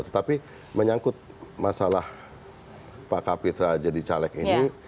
tetapi menyangkut masalah pak kapitra jadi caleg ini